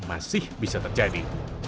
masih bisa terjadi